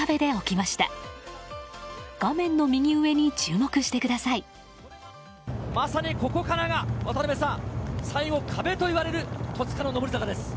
まさに、ここからが最後、壁といわれる戸塚の上り坂です。